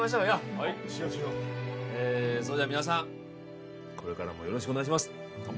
はいええそれでは皆さんこれからもよろしくお願いします乾杯！